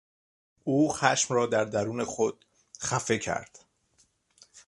او خشم را در درون خود خفه کرد.